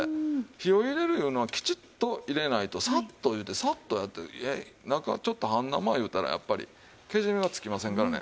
火を入れるいうのはきちっと入れないとさっとお湯でさっとやって中ちょっと半生いうたらやっぱりけじめがつきませんからね。